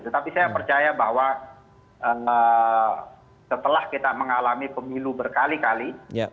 tetapi saya percaya bahwa setelah kita mengalami pemilu berkali kali